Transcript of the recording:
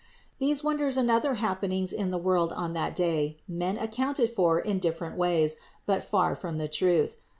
These wonders and other happenings in the world on that day men accounted for in different ways, but far from the truth.